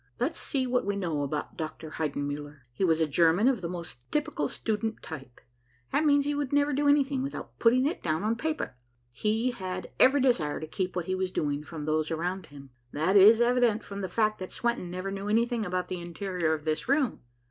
Let's see what we know about Dr. Heidenmuller. He was a German of the most typical student type. That means he would never do anything without putting it down on paper. He had every desire to keep what he was doing from those around him. That is evident from the fact that Swenton never knew anything about the interior of this room.